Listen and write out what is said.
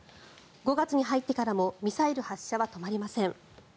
５月に入ってからもミサイル発射は止まりません。